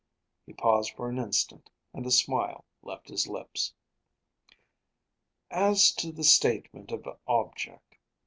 He paused for an instant, and the smile left his lips. "As to the statement of object.